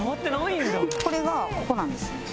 これがここなんです。